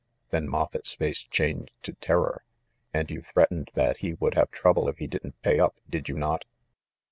Then Moffett's face changed to ter ror. "And you threatened that he would have trouble if he didn't pay up, did you not